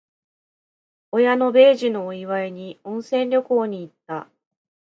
親の米寿のお祝いに、温泉旅行に行った。